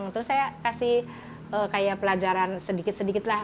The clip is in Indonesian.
terus saya kasih kayak pelajaran sedikit sedikit lah